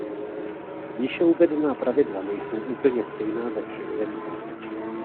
Výše uvedená pravidla nejsou úplně stejná ve všech zemích.